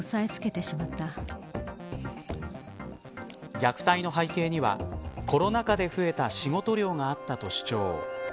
虐待の背景にはコロナ禍で増えた仕事量があったと主張。